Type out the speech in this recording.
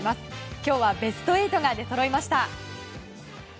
今日はベスト８が出そろいました。